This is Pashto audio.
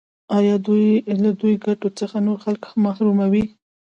آیا دوی له دې ګټو څخه نور خلک محروموي؟